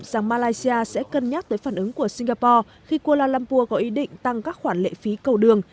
rằng malaysia sẽ cân nhắc tới phản ứng của singapore khi kuala lumpur có ý định tăng các khoản lệ phí cầu đường